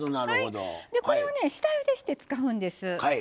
これをね、下ゆでして使うんです。